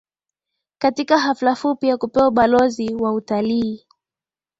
katika hafla fupi ya kupewa Ubalozi wa Utalii